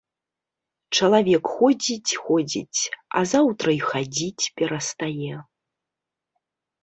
Чалавек ходзіць-ходзіць, а заўтра і хадзіць перастае.